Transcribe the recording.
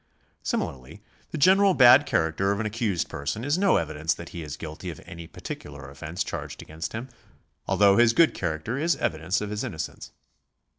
Similarly the general bad character of an accused person is no evi dence that he is guilty of any particular offence charged against him ; although his good character is evidence of his innocence.